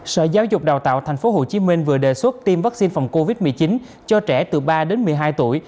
sở giáo dục đào tạo tp hcm vừa đề xuất tiêm vaccine phòng covid một mươi chín cho trẻ từ ba đến một mươi hai tuổi